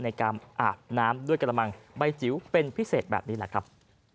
อาบน้ำด้วยกระมังใบจิ๋วเป็นพิเศษแบบนี้แหละครับ